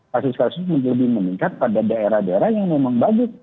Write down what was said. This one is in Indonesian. kasus kasus lebih meningkat pada daerah daerah yang memang bagus